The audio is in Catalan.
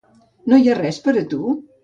No hi ha res per a tu?